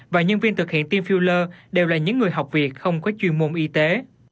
và nhân viên thực hiện tiêm filler đều là những người học việc không có chuyên môn y tế